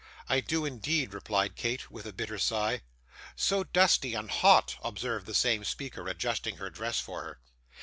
'I do indeed,' replied Kate, with a bitter sigh. 'So dusty and hot,' observed the same speaker, adjusting her dress for her.